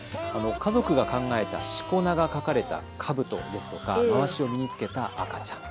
家族が考えたしこ名が書かれたかぶとですとかまわしを身に着けた赤ちゃん。